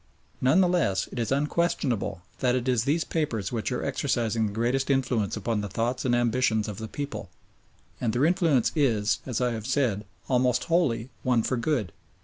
None the less it is unquestionable that it is these papers which are exercising the greatest influence upon the thoughts and ambitions of the people, and their influence is, as I have said, almost wholly one for good.